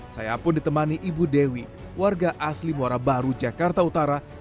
saya pun ditemani ibu dewi warga asli muara baru jakarta utara